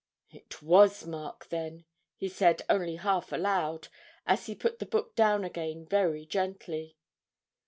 'It was Mark, then,' he said only half aloud, as he put the book down again very gently.